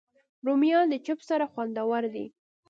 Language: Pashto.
رومیان د چپس سره خوندور دي